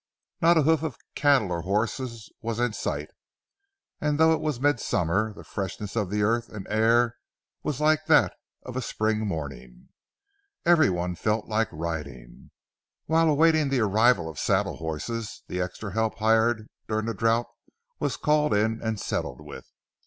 Not a hoof of cattle or horses was in sight, and though it was midsummer, the freshness of earth and air was like that of a spring morning. Every one felt like riding. While awaiting the arrival of saddle horses, the extra help hired during the drouth was called in and settled with.